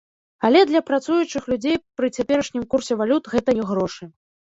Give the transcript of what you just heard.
Але для працуючых людзей пры цяперашнім курсе валют гэта не грошы.